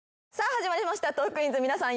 始まりました『トークィーンズ』皆さん